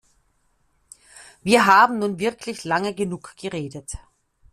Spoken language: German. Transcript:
Wir haben nun wirklich lange genug geredet.